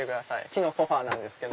木のソファなんですけど。